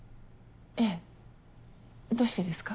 ええどうしてですか？